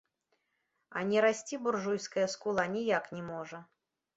А не расці буржуйская скула ніяк не можа.